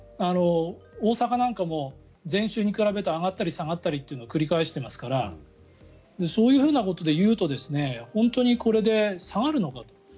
大阪なんかも前週に比べて上がったり下がったりを繰り返していますからそういうふうなことで言うと本当にこれで下がるのかと。